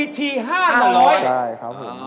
ใช่ครับผม